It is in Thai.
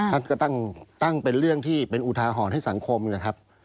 ท่านก็ตั้งเป็นเรื่องที่เป็นอุทาหรณ์ให้สังคมนะครับ